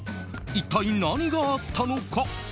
一体何があったのか？